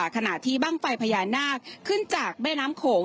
ขณะที่บ้างไฟพญานาคขึ้นจากแม่น้ำโขง